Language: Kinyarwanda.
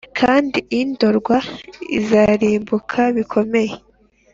kandi indorwa izarimbuka bikomeye